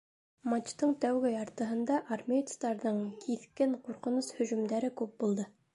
Матчтың тәүге яртыһында армеецтарҙың киҫкен ҡурҡыныс һөжүмдәре күп булды